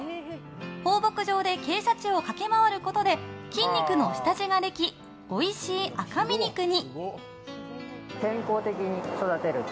放牧場で傾斜地を駆け回ることで筋肉の下地ができおいしい赤身肉に。